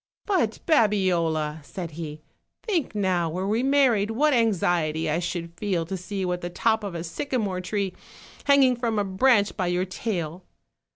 "But, Babiola," said he, "think now, were we mar ried, what anxiety I should feel to see you at the top of a sycamore tree, hanging from a branch by your tail.